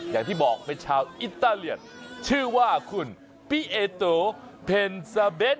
อย่างที่บอกเป็นชาวอิตาเลียนชื่อว่าคุณพี่เอโตเพนซาเบส